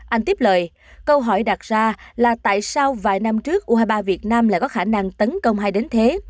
anh tiếp lời câu hỏi đặt ra là tại sao vài năm trước u hai mươi ba việt nam lại có khả năng tấn công hay đến thế